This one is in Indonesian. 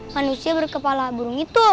manusia berkepala burung itu